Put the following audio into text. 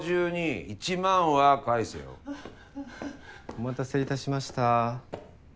お待たせいたしました。